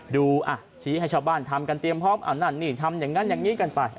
ดูอ่ะชี้ให้ชาวบ้านทำกันเตรียมพร้อมเอานั่นนี่ทำอย่างนั้นอย่างนี้กันไป